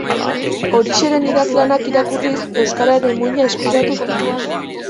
Orixeren idazlanak irakurriz euskararen muina eskuratu zuen.